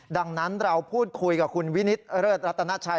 ดังนั้นเราพูดคุยกับคุณวินิตเลิศรัตนาชัย